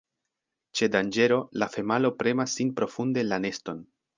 Ĉe danĝero, la femalo premas sin profunde en la neston.